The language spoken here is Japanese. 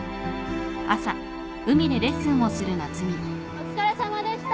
お疲れさまでした！